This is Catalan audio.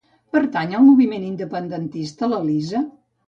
Pertany al moviment independentista l'Elisa?